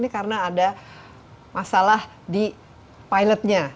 karena ada masalah di pilotnya